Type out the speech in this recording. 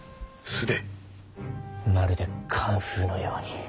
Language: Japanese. まるでカンフーのように。